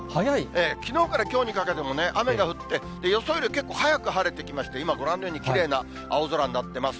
きのうからきょうにかけてもね、雨が降って、予想よりも結構早く晴れてきまして、今、ご覧のように、きれいな青空になってます。